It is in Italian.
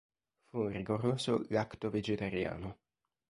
Fu un rigoroso lacto-vegetariano.